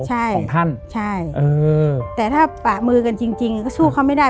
ใช่ของท่านใช่เออแต่ถ้าปากมือกันจริงจริงก็สู้เขาไม่ได้